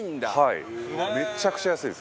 齊藤：めちゃくちゃ安いです。